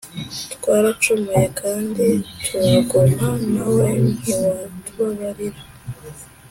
“Twaracumuye kandi turagoma, Nawe ntiwatubabarira.